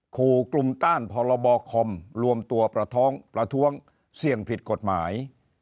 ขู่กลุ่มต้านพรบคอมรวมตัวประท้วงประท้วงเสี่ยงผิดกฎหมาย